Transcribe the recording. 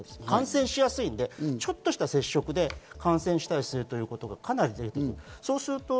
感染しやすいので、ちょっとした接触で感染したりするということがかなり出てきている。